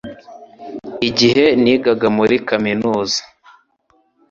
Igihe nigaga muri kaminuza